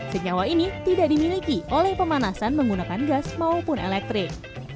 senyawa ini tidak dimiliki oleh pemanasan menggunakan gas maupun elektrik